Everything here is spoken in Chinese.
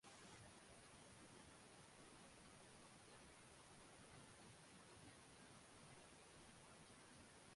欧盟欧洲电子通讯监管机构总部以及北大西洋公约组织的战略通讯中心设在里加。